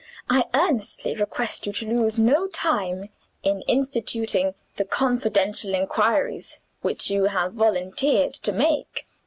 "I earnestly request you to lose no time in instituting the confidential inquiries which you have volunteered to make.